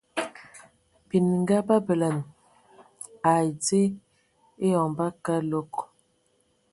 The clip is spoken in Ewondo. Bininga ba bələna ai dze eyoŋ ba kəlɔg.